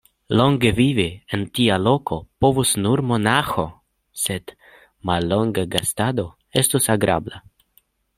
Longe vivi en tia loko povus nur monaĥo, sed mallonga gastado estus agrabla.